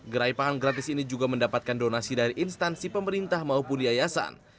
gerai pangan gratis ini juga mendapatkan donasi dari instansi pemerintah maupun yayasan